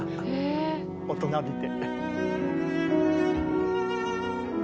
大人びて。